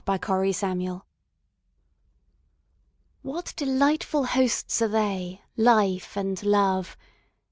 A PARTING GUEST WHAT delightful hosts are they Life and Love!